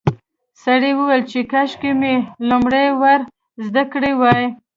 سړي وویل چې کاشکې مې لومړی ور زده کړي وای.